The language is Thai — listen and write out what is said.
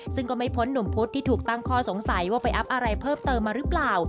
ซึ่งก็ไม่พ้นหนุ่มพุธที่ถูกตั้งข้อสงสัยว่าไปอัพอะไรเพิ่มเติมมาหรือเปล่า